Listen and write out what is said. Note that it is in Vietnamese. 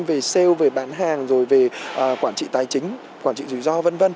về sale về bán hàng rồi về quản trị tài chính quản trị rủi ro v v